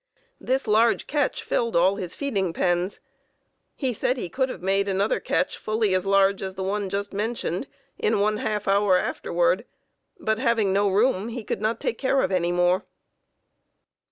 This large catch filled all his feeding pens. He said he could have made another catch fully as large as the one just mentioned, in one half hour afterward but, having no room, he could not take care of any more.